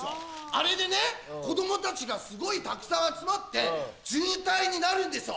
あれでね子供たちがすごいたくさん集まって渋滞になるんですよ